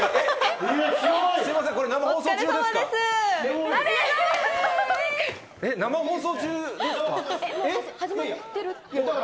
すみません、これ生放送中ですか？